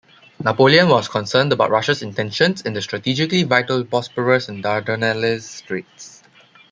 Napoleon was concerned about Russia's intentions in the strategically vital Bosporus and Dardanelles straits.